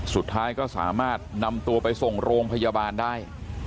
สุดท้ายก็สามารถนำตัวไปส่งโรงพยาบาลได้